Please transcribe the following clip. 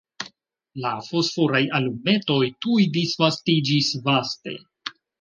La fosforaj alumetoj tuj disvastiĝis vaste.